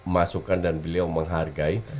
masukan dan beliau menghargai